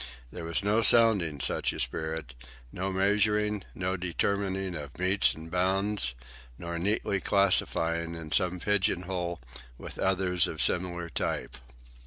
There was no sounding such a spirit, no measuring, no determining of metes and bounds, nor neatly classifying in some pigeon hole with others of similar type.